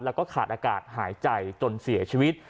แล้วก็ขาดอากาศหายใจจนเสียชีวิต